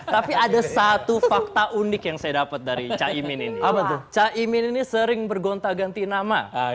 tapi ada satu fakta unik yang saya dapat dari caimin ini apa tuh caimin ini sering bergonta ganti nama